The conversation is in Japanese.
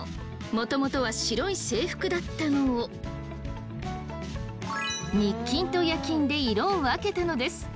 もともとは白い制服だったのを日勤と夜勤で色を分けたのです。